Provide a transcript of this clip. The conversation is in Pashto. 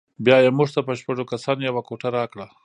بیا یې موږ ته په شپږو کسانو یوه کوټه راکړه.